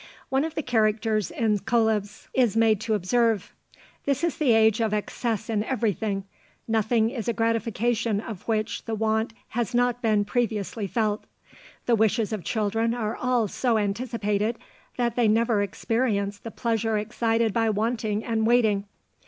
One of the characters in Cœlebs is made to observe, "This is the age of excess in everything; nothing is a gratification of which the want has not been previously felt. The wishes of children are all so anticipated, that they never experience the pleasure excited by wanting and waiting."